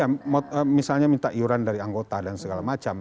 ya misalnya minta iuran dari anggota dan segala macam